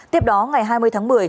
tiếp đó ngày hai mươi tháng một mươi